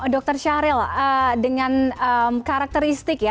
dr syahril dengan karakteristik ya